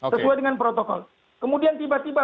sesuai dengan protokol kemudian tiba tiba